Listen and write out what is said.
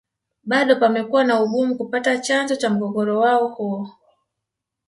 Bado pamekuwa na Ugumu kupata chanzo cha mgogoro wao huo